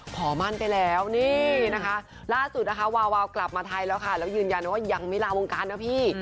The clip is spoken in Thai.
ขอมั่นไปแล้วนี่นะคะล่าสุดนะคะวาวาวกลับมาไทยแล้วค่ะแล้วยืนยันว่ายังไม่ลาวงการนะพี่